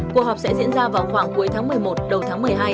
cuộc họp sẽ diễn ra vào khoảng cuối tháng một mươi một đầu tháng một mươi hai